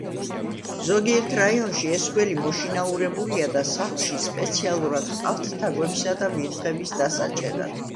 ზოგიერთ რაიონში ეს გველი მოშინაურებულია და სახლში სპეციალურად ჰყავთ თაგვებისა და ვირთხების დასაჭერად.